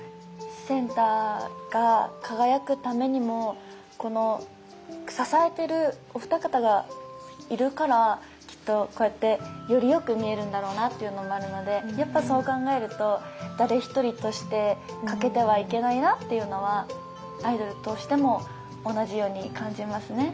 センターが輝くためにもこの支えてるお二方がいるからきっとこうやってよりよく見えるんだろうなっていうのもあるのでやっぱそう考えると誰一人として欠けてはいけないなっていうのはアイドルとしても同じように感じますね。